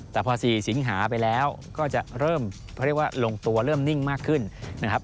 แต่พอ๔สิงหาไปแล้วก็จะเริ่มเขาเรียกว่าลงตัวเริ่มนิ่งมากขึ้นนะครับ